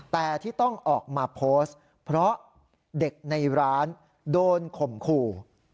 แต่ที่ต้องออกมาโพสต์เพราะเด็กในร้านโดนข่มขู่